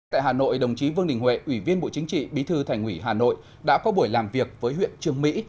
tại hà nội đồng chí vương đình huệ ủy viên bộ chính trị bí thư thành ủy hà nội đã có buổi làm việc với huyện trương mỹ